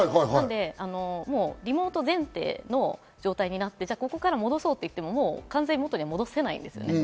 なのでリモート前提の状態になって、ここから戻そうといっても完全に元に戻せないんですよね。